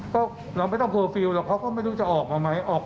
ก็เราไม่ต้องเคอร์ฟิลล์หรอกเขาก็ไม่รู้จะออกมาไหม